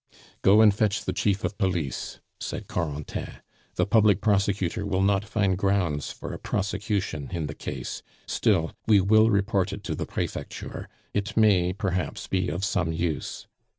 "Go and fetch the Chief of Police," said Corentin. "The public prosecutor will not find grounds for a prosecution in the case; still, we will report it to the Prefecture; it may, perhaps, be of some use.